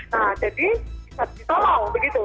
nah jadi bisa ditolong begitu